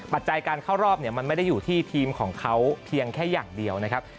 ปัจจัยการเข้ารอบเนี่ยมันไม่ได้อยู่ที่ทีมของเขาเพียงแค่อย่างเดียวนะครับ